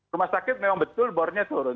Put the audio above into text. rumah sakit memang betul bornya turun